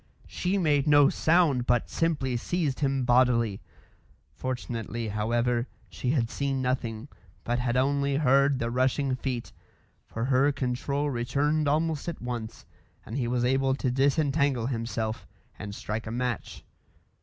She made no sound, but simply seized him bodily. Fortunately, however, she had seen nothing, but had only heard the rushing feet, for her control returned almost at once, and he was able to disentangle himself and strike a match.